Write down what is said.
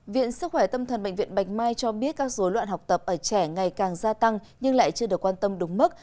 viện sức khỏe tâm thần bệnh viện bạch mai cho biết các dối loạn học tập ở trẻ ngày càng gia tăng nhưng lại chưa được quan tâm đúng mức